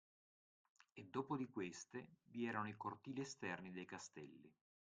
E dopo di queste, vi erano i cortili esterni dei castelli.